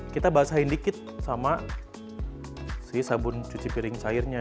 kita basahin dikit sama si sabun cuci piring cairnya